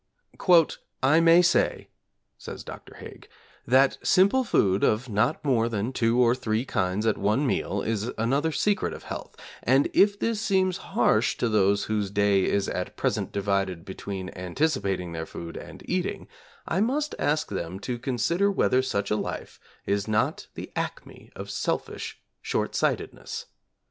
'I may say,' says Dr. Haig, 'that simple food of not more than two or three kinds at one meal is another secret of health; and if this seems harsh to those whose day is at present divided between anticipating their food and eating, I must ask them to consider whether such a life is not the acme of selfish shortsightedness.